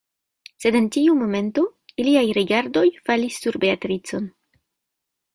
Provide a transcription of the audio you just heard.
Sed en tiu momento iliaj rigardoj falis sur Beatricon.